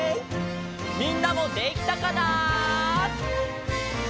みんなもできたかな？